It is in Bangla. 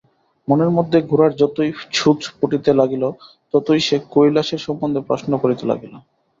মনের মধ্যে গোরার যতই ছুঁচ ফুটিতে লাগিল ততই সে কৈলাসের সম্বন্ধে প্রশ্ন করিতে লাগিল।